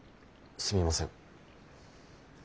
すみません。